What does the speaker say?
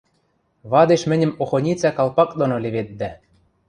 — Вадеш мӹньӹм охоницӓ калпак доно леведдӓ.